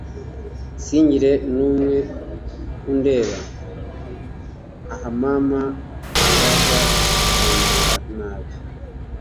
singire n' umwe undeba ah mama yaza akambwira nabi